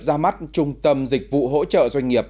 ra mắt trung tâm dịch vụ hỗ trợ doanh nghiệp